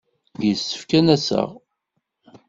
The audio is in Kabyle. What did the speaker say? Yessefk ad n-aseɣ.